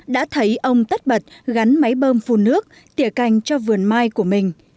đã thấy ông tắt bật gắn máy bơm phù nước tỉa cành cho vườn mai của mình